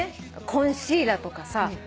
コンシーラーとかさ